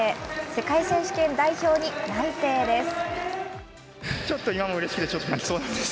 世界選手権代表に内定です。